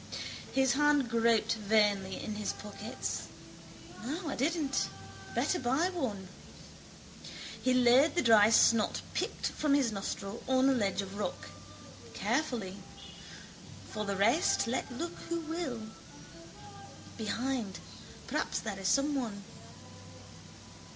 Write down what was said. His hand groped vainly in his pockets. No, I didn't. Better buy one. He laid the dry snot picked from his nostril on a ledge of rock, carefully. For the rest let look who will. Behind. Perhaps there is someone.